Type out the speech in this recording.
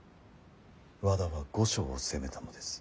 和田は御所を攻めたのです。